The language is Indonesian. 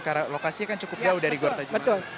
karena lokasi kan cukup jauh dari gor tajimalela